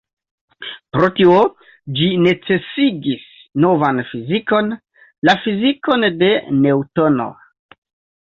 Pro tio, ĝi necesigis novan fizikon, la fizikon de Neŭtono.